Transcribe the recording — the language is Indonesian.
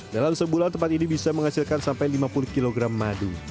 dalam sebulan tempat ini bisa menghasilkan sampai lima puluh kg madu